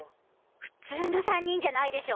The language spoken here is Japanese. フツーの３人じゃないでしょ。